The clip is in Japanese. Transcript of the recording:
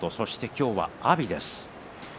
今日は阿炎です。